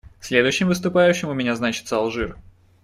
Следующим выступающим у меня значится Алжир.